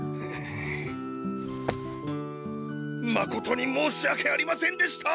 まことにもうしわけありませんでした！